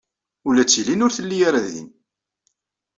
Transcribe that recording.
Ula d tillin ur telli ara din.